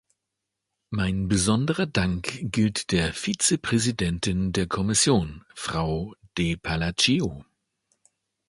Mein besonderer Dank gilt der Vizepräsidentin der Kommission, Frau de Palacio.